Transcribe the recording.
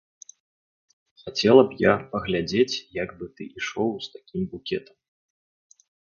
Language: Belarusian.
Хацела б я паглядзець, як бы ты ішоў з такім букетам.